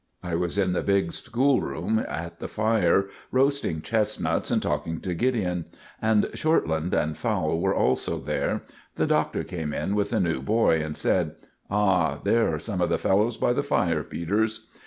I was in the big school room at the fire, roasting chestnuts and talking to Gideon; and Shortland and Fowle were also there. The Doctor came in with a new boy and said— "Ah! There are some of the fellows by the fire, Peters."